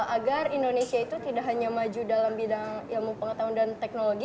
agar indonesia itu tidak hanya maju dalam bidang ilmu pengetahuan dan teknologi